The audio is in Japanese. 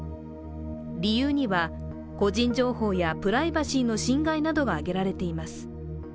理由には、個人情報やプライバシーの侵害などが挙げられています。